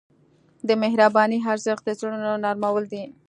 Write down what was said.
د مهربانۍ ارزښت د زړونو نرمول دي.